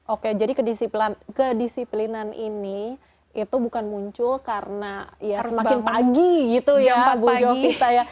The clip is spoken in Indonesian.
oke jadi kedisiplinan ini itu bukan muncul karena ya semakin pagi gitu ya bagi saya